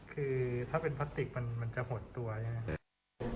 คือถ้าเป็นพลาสติกมันจะหมดตัวอย่างไร